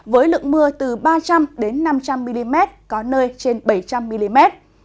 với lượng mưa từ ba trăm linh năm trăm linh mm có nơi trên bảy trăm linh mm